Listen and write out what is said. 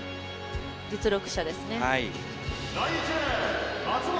実力者ですね。